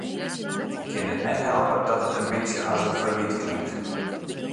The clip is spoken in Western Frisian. Ik kin it net helpe dat it in bytsje as in ferwyt klinkt.